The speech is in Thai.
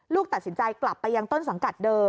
ตัดสินใจกลับไปยังต้นสังกัดเดิม